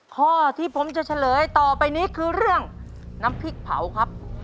ข้อที่ผมจะเฉลยต่อไปนี้คือเรื่องน้ำพริกเผาครับ